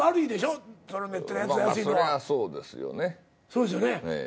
そうですよね。